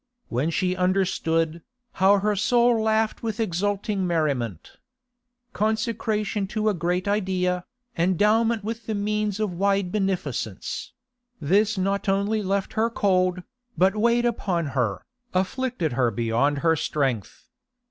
When she understood, how her soul laughed with exulting merriment! Consecration to a great idea, endowment with the means of wide beneficence—this not only left her cold, but weighed upon her, afflicted her beyond her strength.